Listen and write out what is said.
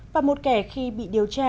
và một kẻ khi bị điều tra